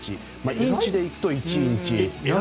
インチでいくと１インチ。